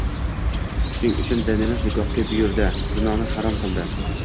Shuning uchun dinimiz nikohga buyurdi, zinoni harom qildi